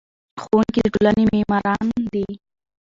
ښوونکي د ټولنې معماران دي.